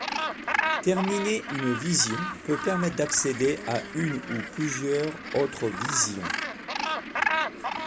Terminer une vision peut permettre d'accéder à une ou plusieurs autres visions.